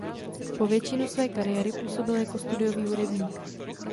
Po většinu své kariéry působil jako studiový hudebník.